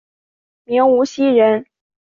明无锡人。